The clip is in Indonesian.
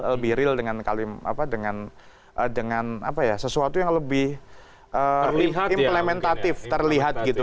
lebih real dengan sesuatu yang lebih implementatif terlihat gitu